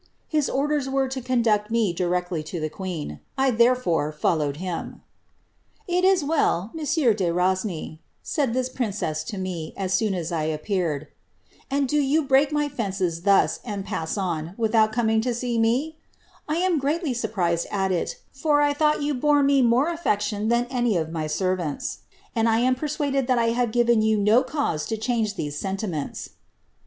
His orders were to conduct me directly to the queen. I therefore fol lowed him." '•■ It is well, monsieur de Rosny,' said this princess to me, as soon m I appeared', 'and do you break my fences thus, and pass on, wilhoui coming to see me> I am greatly surprised at it, for I thought vou bore me more affection than any of my servants, and I am persuaded thai I have given you no cause to change these seniimenis.'